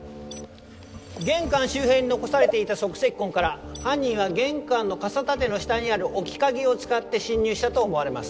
玄関周辺に残されていた足跡痕から犯人は玄関の傘立ての下にある置き鍵を使って侵入したと思われます